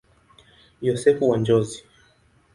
Yosefu wa Njozi.